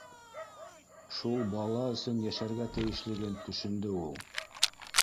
шул бала өсөн йәшәргә тейешлеген төшөндө ул